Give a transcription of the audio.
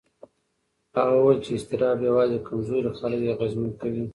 هغه وویل چې اضطراب یوازې کمزوري خلک اغېزمن کوي.